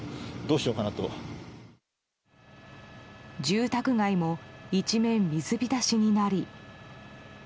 住宅街も一面水浸しになり。